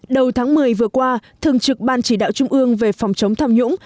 đầu tháng một mươi vừa qua thường trực ban chỉ đạo trung ương về phòng chống tham nhũng